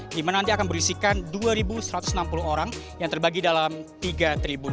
di mana nanti akan berisikan dua satu ratus enam puluh orang yang terbagi dalam tiga tribun